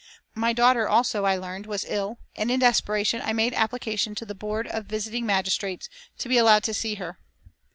My daughter also, I learned, was ill, and in desperation I made application to the Board of Visiting Magistrates to be allowed to see her.